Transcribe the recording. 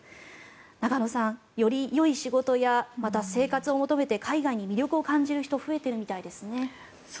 中野さん、よりよい仕事やまた生活を求めて海外に魅力を感じる人が増えているみたいですね。